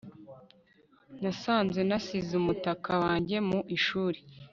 nasanze nasize umutaka wanjye mu ishuri